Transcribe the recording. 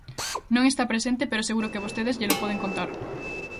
Non está presente pero seguro que vostedes llelo poden contar.